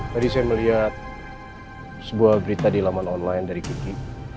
tadi saya melihat sebuah berita di laman online dari kiki